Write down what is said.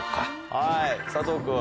はい佐藤君。